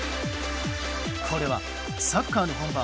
これはサッカーの本場